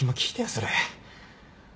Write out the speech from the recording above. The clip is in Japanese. それ。